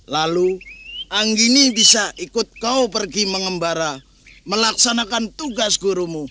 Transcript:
lalu anggini bisa ikut kau pergi mengembara melaksanakan tugas gurumu